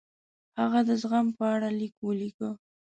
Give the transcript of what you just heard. هغه د زغم په اړه لیک ولیکه.